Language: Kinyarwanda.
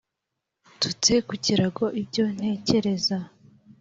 Nsutse ku kirago ibyo ntekereza